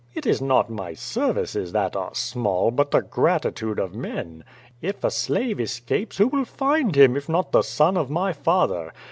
It is not my services that are small, but the gratitude of men. If a slave escapes, who will find him, if not the son of my father?